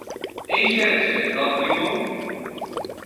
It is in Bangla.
এই, সেরেছে, রদ্রিগো।